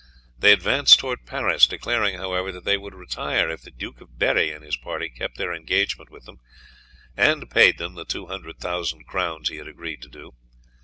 They advanced towards Paris, declaring, however, that they would retire if the Duke of Berri and his party kept their engagement with them, and paid them the two hundred thousand crowns he had agreed to do.